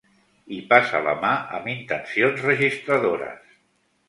Hi passa la mà amb intencions registradores.